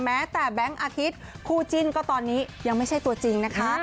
แม้แต่แบงค์อาทิตย์คู่จิ้นก็ตอนนี้ยังไม่ใช่ตัวจริงนะคะ